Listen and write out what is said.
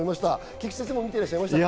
菊地先生、見てらっしゃいましたか？